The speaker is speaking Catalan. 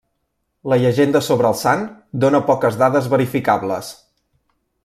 La llegenda sobre el sant dóna poques dades verificables.